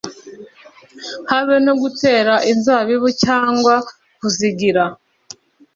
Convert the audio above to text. habe no gutera inzabibu cyangwa kuzigira